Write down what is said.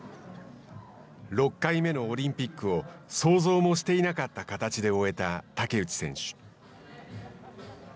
６回目のオリンピックを想像もしていなかった形で終えた竹内選手。